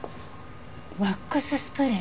ワックススプレー？